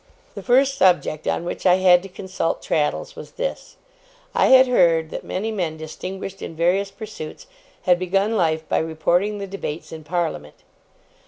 The first subject on which I had to consult Traddles was this, I had heard that many men distinguished in various pursuits had begun life by reporting the debates in Parliament.